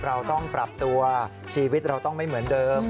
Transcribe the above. เราต้องปรับตัวชีวิตเราต้องไม่เหมือนเดิม